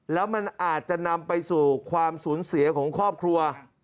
แล้วมันอาจจะนำไปสู่ความสูญเสียของครอบครัว